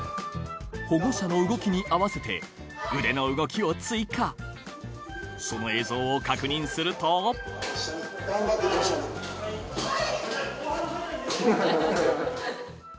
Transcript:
保護者の動きに合わせて腕の動きを追加その映像を確認するとアハハハ。